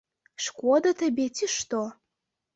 Шкода табе, ці што?